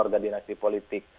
dari keluarga dinasti politik